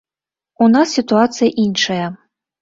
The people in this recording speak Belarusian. У нас сітуацыя іншая.